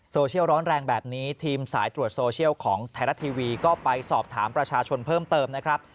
ร้อนแรงแบบนี้ทีมสายตรวจโซเชียลของไทยรัฐทีวีก็ไปสอบถามประชาชนเพิ่มเติมนะครับ